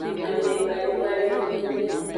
Amegbaligbali.